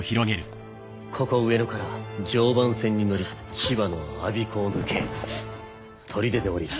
ここ上野から常磐線に乗り千葉の我孫子を抜け取手で降りる。